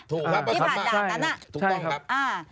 ที่ผ่านดาบนั้นนะ